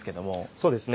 そうですね。